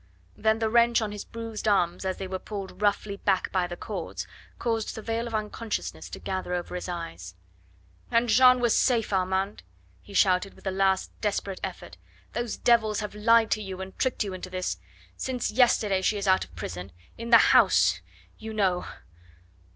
Then the wrench on his bruised arms as they were pulled roughly back by the cords caused the veil of unconsciousness to gather over his eyes. "And Jeanne was safe, Armand," he shouted with a last desperate effort; "those devils have lied to you and tricked you into this ... Since yesterday she is out of prison... in the house... you know...."